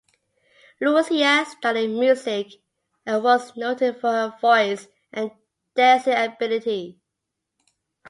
Lucia studied music and was noted for her voice and dancing ability.